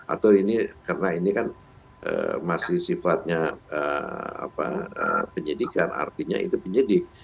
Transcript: atau ini karena ini kan masih sifatnya penyidikan artinya itu penyidik